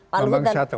termasuk bambang sato